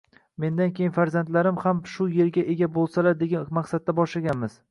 mendan keyin farzandlarim ham shu yerga ega bo‘lsa degan maqsadda boshlaganmiz.